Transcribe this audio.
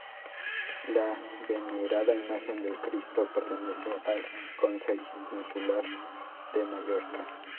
La venerada imagen del Cristo pertenece al Consell Insular de Mallorca.